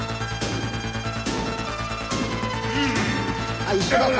あっ一緒だった。